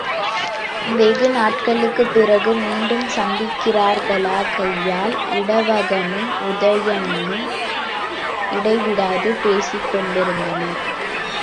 வெகு நாள்களுக்குப் பிறகு மீண்டும் சந்திக்கின்றார்களாகையால் இடவகனும் உதயணனும் இடை விடாது பேசிக்கொண்டிருந்தனர்.